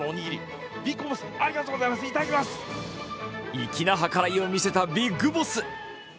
粋な計らいを見せたビッグボス。